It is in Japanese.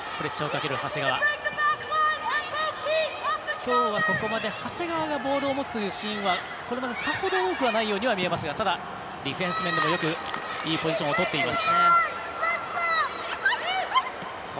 きょうは、ここまで長谷川がボールを持つというシーンはそれほど多くないと思いますがただ、ディフェンス面でよくいいポジションをとっています。